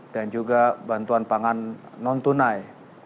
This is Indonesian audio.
juga bantuan pangan non tunai